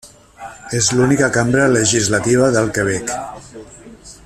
És l'única cambra legislativa del Quebec.